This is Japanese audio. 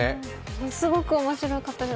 ものすごく面白かったです。